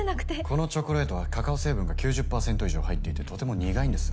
このチョコレートはカカオ成分が９０％以上入っていてとても苦いんです。